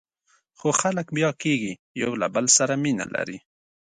خو خلک بیا کېږي، یو له بل سره مینه لري.